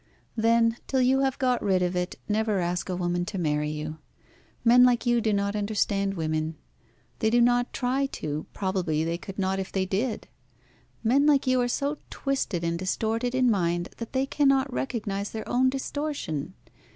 "Then, till you have got rid of it never ask a woman to marry you. Men like you do not understand women. They do not try to; probably they could not if they did. Men like you are so twisted and distorted in mind that they cannot recognise their own distortion.